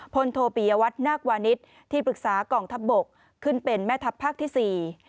โทปิยวัตนาควานิสที่ปรึกษากองทัพบกขึ้นเป็นแม่ทัพภาคที่๔